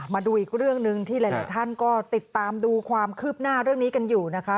มาดูอีกเรื่องหนึ่งที่หลายท่านก็ติดตามดูความคืบหน้าเรื่องนี้กันอยู่นะคะ